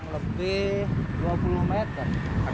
lebih dua puluh meter